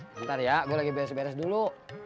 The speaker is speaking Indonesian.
bentar ya gue lagi beres beres dulu